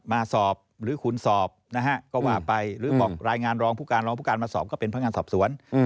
มาสอบหรือขุนสอบนะฮะก็ว่าไปหรือบอกรายงานรองผู้การรองผู้การมาสอบก็เป็นพนักงานสอบสวน